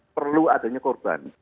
perlu adanya korban